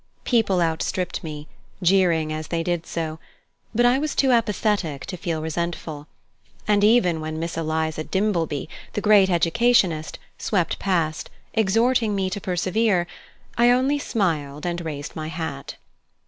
People outstripped me, jeering as they did so, but I was too apathetic to feel resentful, and even when Miss Eliza Dimbleby, the great educationist, swept past, exhorting me to persevere, I only smiled and raised my hat.